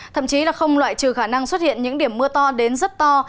thậm chí là không loại trừ khả năng xuất hiện những điểm mưa to đến rất to